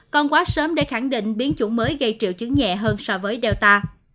còn quá sớm để khẳng định biến chủng mới gây triệu chứng nhẹ hơn so với delta